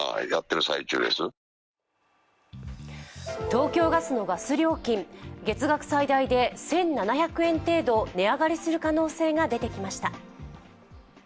東京ガスのガス料金、月額最大で１７００円程度値上がりする可能性が出てきました。